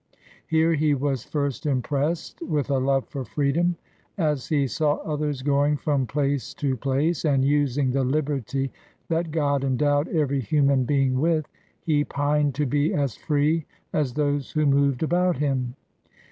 Here he was first impressed with a love for freedom. A3 he saw others going from place to place, and using the liberty that God endowed every human being with, he pined to be as free as those who moved about him.